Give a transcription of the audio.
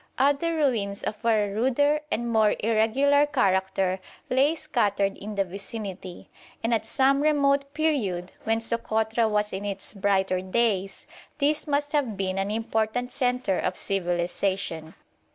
Other ruins of a ruder and more irregular character lay scattered in the vicinity, and at some remote period, when Sokotra was in its brighter days, this must have been an important centre of civilisation.